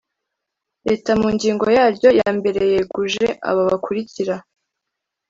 Leta mu ngingo yaryo ya mbereyeguje aba bakurikira